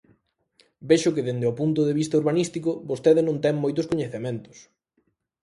Vexo que dende o punto de vista urbanístico vostede non ten moitos coñecementos.